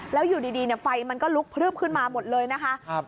แล้วอยู่ดีไฟมันก็ลุกพลึบขึ้นมาหมดเลยนะคะ